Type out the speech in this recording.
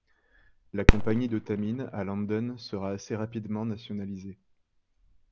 La Compagnie de Tamines à Landen sera assez rapidement nationalisée.